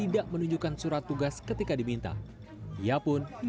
dan mencabutkan perintah tugas yang telah diberikan dari pihak pln